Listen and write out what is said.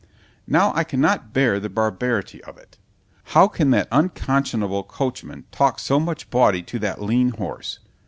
Now I cannot bear the barbarity of it; how can that unconscionable coachman talk so much bawdy to that lean horse?